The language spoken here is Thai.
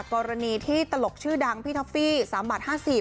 กรณีที่ตลกชื่อดังพี่ท็อฟฟี่๓บาท๕๐บาท